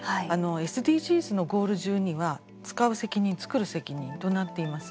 ＳＤＧｓのゴール１２は「つかう責任つくる責任」となっています。